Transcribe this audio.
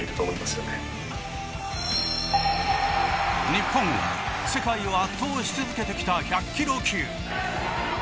日本が世界を圧倒し続けてきた１００キロ級。